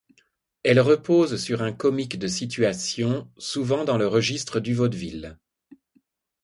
Elle repose sur un comique de situation — souvent dans le registre du vaudeville.